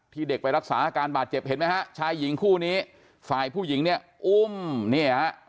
เด็กไปรักษาอาการบาดเจ็บเห็นไหมฮะชายหญิงคู่นี้ฝ่ายผู้หญิงเนี่ยอุ้มเนี่ยฮะ